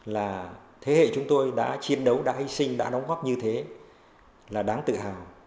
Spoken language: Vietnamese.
là thế hệ chúng tôi đã chiến đấu đã hy sinh đã đóng góp như thế là đáng tự hào